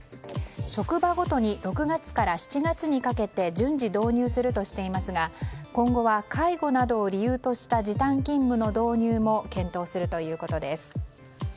職場ごとに６月から７月にかけて順次導入するとしていますが今後は介護などを理由とした時短勤務の導入も検討するということです。